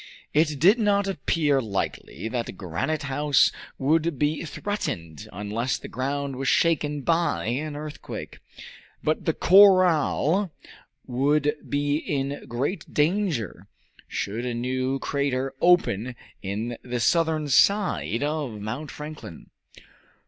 It did not appear likely that Granite House would be threatened unless the ground was shaken by an earthquake. But the corral would be in great danger should a new crater open in the southern side of Mount Franklin.